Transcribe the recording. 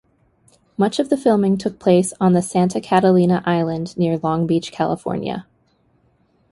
Much of the filming took place on Santa Catalina Island near Long Beach, California.